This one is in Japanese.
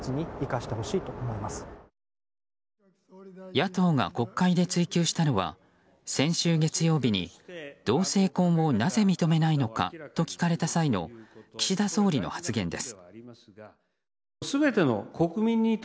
野党が国会で追及したのは先週月曜日に同性婚をなぜ認めないのかと聞かれた際の岸田総理の発言です。